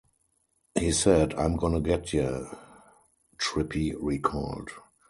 "He said, 'I'm gonna get ya,'" Trippi recalled.